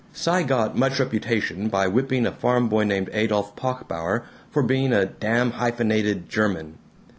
Cy got much reputation by whipping a farmboy named Adolph Pochbauer for being a "damn hyphenated German."